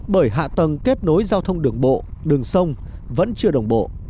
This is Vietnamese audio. bởi hạ tầng kết nối giao thông đường bộ đường sông vẫn chưa đồng bộ